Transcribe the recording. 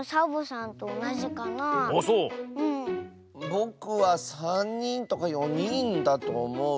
ぼくはさんにんとかよにんだとおもう。